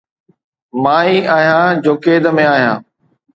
مان ئي آهيان جو قيد ۾ آهيان